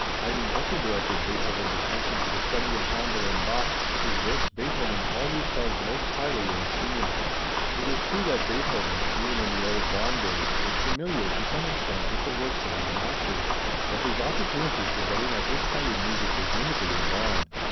Haydn also directed Beethoven's attention to the study of Händel and Bach, whose works Beethoven always held most highly in esteem. It is true that Beethoven, even in the old Bonn days, was familiar to some extent with the works of these masters; but his opportunity for getting at this kind of music was limited in Bonn.